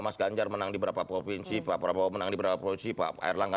mas ganjar menang di berapa provinsi pak prabowo menang di berapa provinsi pak erlangga